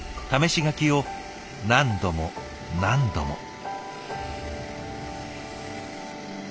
試し書きを何度も何度も。